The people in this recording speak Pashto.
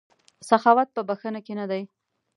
سخاوت په بښنه کې نه دی.